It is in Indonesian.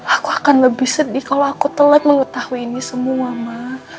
aku akan lebih sedih kalau aku telat mengetahui ini semua mak